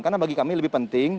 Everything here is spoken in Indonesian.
karena bagi kami lebih penting